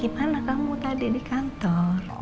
gimana kamu tadi di kantor